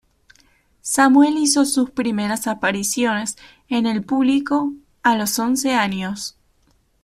Samuel hizo sus primeras apariciones en el público a los once años.